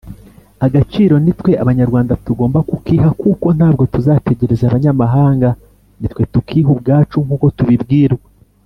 Agaciro nitwe abanyarwanda tugomba kukiha kuko ntabwo tuzategereza abanyamahanga nitwe tukiha ubwacu nkuko tubibwirwa.